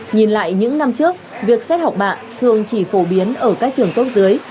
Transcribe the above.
nhìn lại những năm trước việc xét học bạ thường chỉ phổ biến ở các trường tốt dưới